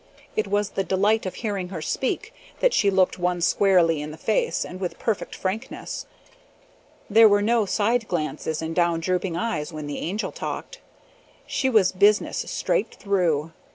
It was the delight of hearing her speak that she looked one squarely in the face and with perfect frankness. There were no side glances and down drooping eyes when the Angel talked; she was business straight through.